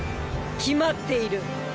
決まっている。